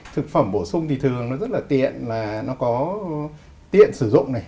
thực phẩm bổ sung thì thường nó rất là tiện là nó có tiện sử dụng này